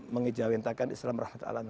mengijawintakan islam merahmatkan alamin